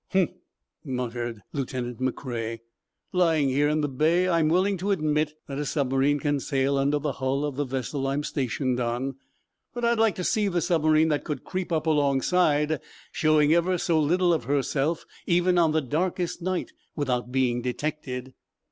"Humph!" muttered Lieutenant McCrea. "Lying here in the bay I am willing to admit that a submarine can sail under the hull of the vessel I'm stationed on. But I'd like to see the submarine that could creep up alongside, showing ever so little of itself, even on the darkest night, without being detected."